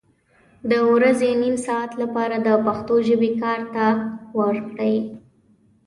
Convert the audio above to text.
د ورځې نیم ساعت لپاره د پښتو ژبې ته کار وکړئ